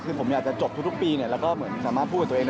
คือผมอยากจะจบทุกปีแล้วก็สามารถพูดกับตัวเอง